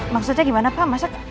maksudnya gimana pak